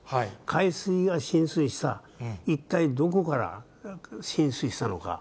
海水が浸水した、一体どこから浸水したのか。